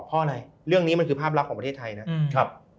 เพราะอะไรเรื่องนี้มันคือภาพลักษณ์ของประเทศไทยนะครับ